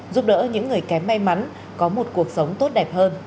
giúp đỡ những người kém may mắn có một cuộc sống tốt đẹp hơn